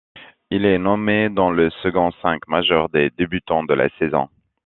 Il est nommé dans le second cinq majeur des débutants de la saison.